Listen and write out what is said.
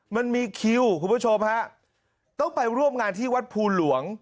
มันมีคิวคุณผู้ชมฮะต้องไปร่วมงานที่วัดภูหลวง